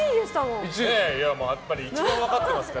一番分かってますから。